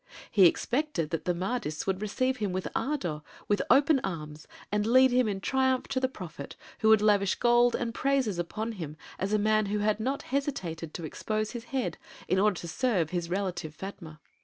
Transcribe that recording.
He expected that the Mahdists would receive him with ardor, with open arms, and lead him in triumph to the prophet, who would lavish gold and praises upon him as a man who had not hesitated to expose his head in order to serve his relative Fatma.